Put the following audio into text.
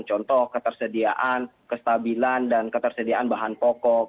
contoh ketersediaan kestabilan dan ketersediaan bahan pokok